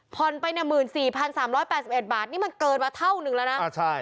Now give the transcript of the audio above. ผ่อนไป๑๔๓๘๑บาทนี่มันเกินมาเท่าหนึ่งละนะ